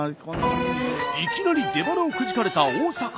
いきなり出ばなをくじかれた大阪。